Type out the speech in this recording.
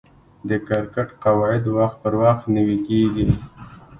د کرکټ قواعد وخت پر وخت نوي کیږي.